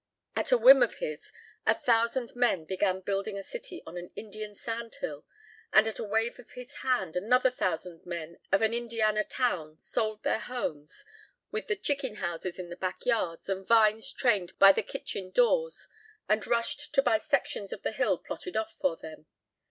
At a whim of his a thousand men began building a city on an Indiana sand hill, and at a wave of his hand another thousand men of an Indiana town sold their homes, with the chicken houses in the back yards and vines trained by the kitchen doors, and rushed to buy sections of the hill plotted off for them.